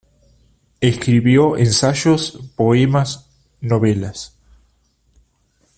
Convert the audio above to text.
Escribió ensayos, poemas, novelas.